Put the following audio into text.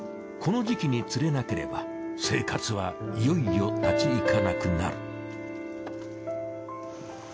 この時期に釣れなければ生活はいよいよ立ち行かなくなる。